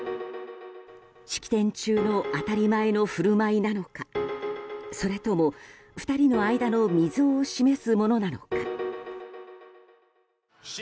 式典中の当たり前の振る舞いなのかそれとも２人の間の溝を示すものなのか。